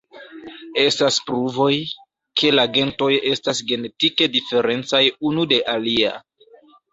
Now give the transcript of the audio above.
Estas pruvoj, ke la gentoj estas genetike diferencaj unu de alia.